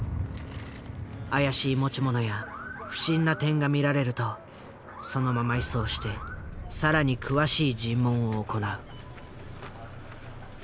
怪しい持ち物や不審な点が見られるとそのまま移送して更に詳しい尋問を行う。